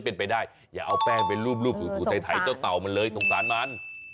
เป็นไปได้อย่าเอาแป้งไปรูปถูไถเจ้าเต่ามันเลยสงสารมัน